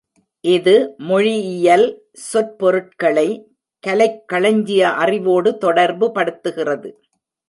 இது மொழியியல் சொற்பொருட்களை கலைக்களஞ்சிய அறிவோடு தொடர்புபடுத்துகிறது.